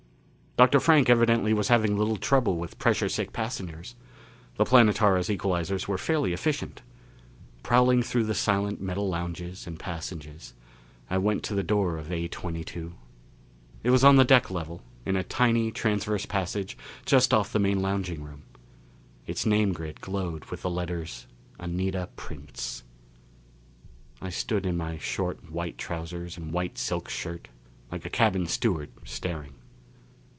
Dr. Frank evidently was having little trouble with pressure sick passengers. The Planetara's equalizers were fairly efficient. Prowling through the silent metal lounges and passages, I went to the door of A22. It was on the deck level, in a tiny transverse passage just off the main lounging room. Its name grid glowed with the letters: Anita Prince. I stood in my short white trousers and white silk shirt, like a cabin steward staring.